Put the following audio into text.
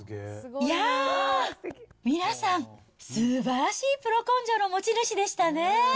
いやー、皆さん、すばらしいプロ根性の持ち主でしたね。